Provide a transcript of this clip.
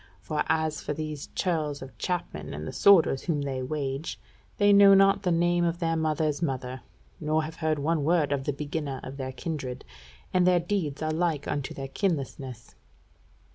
For as for these churls of chapmen, and the sworders whom they wage, they know not the name of their mother's mother, nor have heard one word of the beginner of their kindred; and their deeds are like unto their kinlessness."